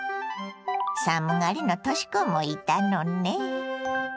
寒がりのとし子もいたのね。